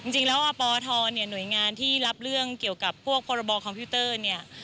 จริงแล้วอปทเนี่ยหน่วยงานที่รับเรื่องเกี่ยวกับพวกพรบคอมพิวเตอร์เนี่ย